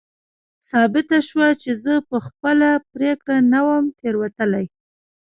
ثابته شوه چې زه په خپله پرېکړه نه وم تېروتلی.